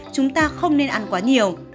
chúng ta không nên ăn quá nhiều